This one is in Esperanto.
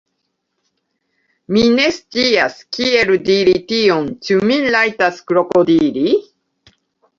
Mi ne scias, kiel diri tion. Ĉu mi rajtas krokodili?